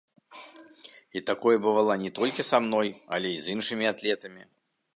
І такое бывала не толькі са мной, але і з іншымі атлетамі.